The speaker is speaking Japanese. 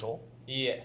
いいえ。